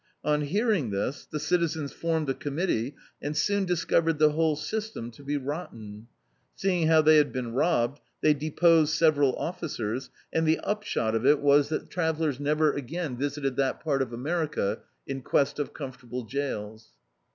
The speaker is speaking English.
On hearing this, the citizens formed a committee, and soon discovered the whole system to be rotten. Seeing how they had been robbed, they deposed several officers and the upshot of it was that D,i.,.db, Google A Prisoner His Own Judge travellers never again visited that part of America in quest of comfortable jails.